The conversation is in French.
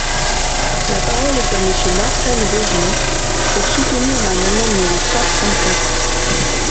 La parole est à Monsieur Marcel Rogemont, pour soutenir l’amendement numéro cent trente-quatre.